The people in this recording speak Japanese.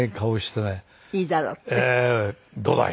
いいだろうって？